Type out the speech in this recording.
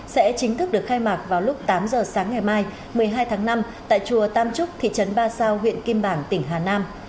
sẽ chính thức được khai mạc vào lúc tám giờ sáng ngày mai một mươi hai tháng năm tại chùa tam trúc thị trấn ba sao huyện kim bảng tỉnh hà nam